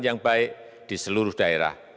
yang baik di seluruh daerah